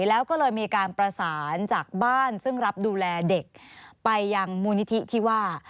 แล้วก็เลยมีการประสานจากบ้านซึ่งรับดูแลเด็กไปยังมูลนิธิที่ว่า